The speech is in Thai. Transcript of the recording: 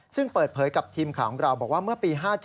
ซึ่งเปิดเผยกับทีมข่าวของเราบอกว่าเมื่อปี๕๗